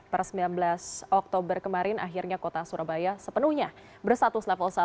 per sembilan belas oktober kemarin akhirnya kota surabaya sepenuhnya bersatus level satu